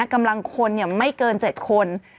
กำลังคนเนี่ยไม่เกิน๗คน